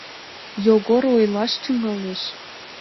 Йогор ойлаш тӱҥалеш.